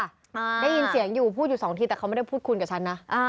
ได้ยินเสียงอยู่พูดอยู่สองทีแต่เขาไม่ได้พูดคุยกับฉันนะอ่า